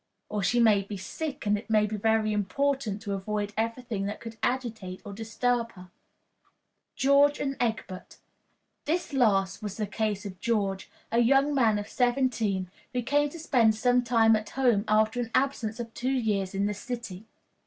Or she may be sick, and it may be very important to avoid every thing that could agitate or disturb her. George and Egbert. This last was the case of George, a young man of seventeen, who came to spend some time at home after an absence of two years in the city.